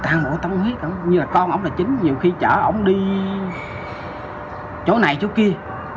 ta ngủ tâm huyết ông như là con ông là chính nhiều khi chở ông đi chỗ này chỗ kia